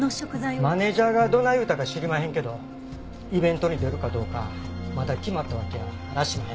マネジャーがどない言うたか知りまへんけどイベントに出るかどうかまだ決まったわけやあらしまへん。